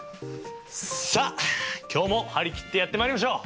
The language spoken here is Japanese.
さあ今日も張り切ってやってまいりましょう！